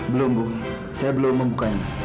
belum bu saya belum membukanya